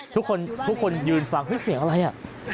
ทุกคนยืนฟังเฮ้ยเสียงอะไรอ่ะ